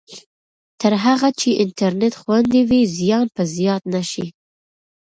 تر هغه چې انټرنېټ خوندي وي، زیان به زیات نه شي.